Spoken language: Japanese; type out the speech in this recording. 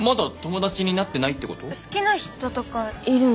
好きな人とかいるの？